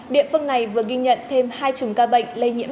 địa phương này vừa ghi nhận thêm hai chủng ca bệnh lây nhiễm